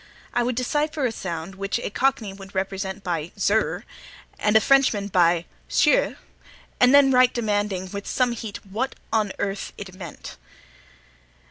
I would decipher a sound which a cockney would represent by zerr, and a Frenchman by seu, and then write demanding with some heat what on earth it meant.